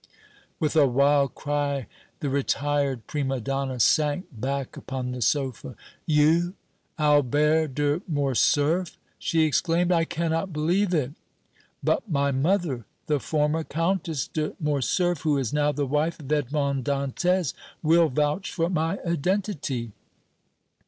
With a wild cry the retired prima donna sank back upon the sofa. "You Albert de Morcerf!" she exclaimed. "I cannot believe it!" "But my mother, the former Countess de Morcerf, who is now the wife of Edmond Dantès, will vouch for my identity."